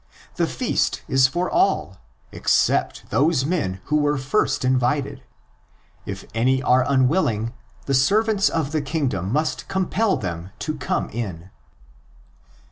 The feast is for all except those men who were first invited: if any are unwilling, the servants of the kingdom must '' compel them to come in.